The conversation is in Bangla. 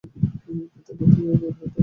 প্রত্যেক গ্রন্থে এগারোটি স্তোত্র এই অংশ।